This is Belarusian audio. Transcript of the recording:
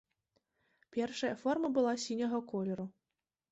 Першая форма была сіняга колеру.